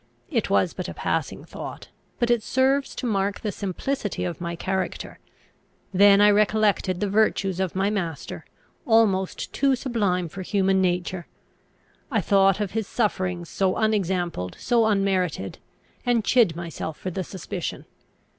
It was but a passing thought; but it serves to mark the simplicity of my character. Then I recollected the virtues of my master, almost too sublime for human nature; I thought of his sufferings so unexampled, so unmerited; and chid myself for the suspicion.